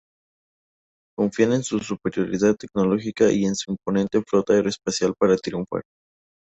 Confían en su superioridad tecnológica y en su imponente flota aeroespacial para triunfar.